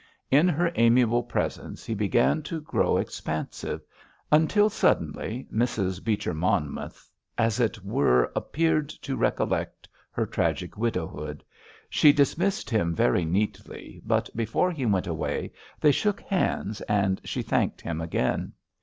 In her amiable presence he began to grow expansive, until suddenly Mrs. Beecher Monmouth, as it were, appeared to recollect her tragic widowhood. She dismissed him very neatly, but before he went away they shook hands, and she thanked him again.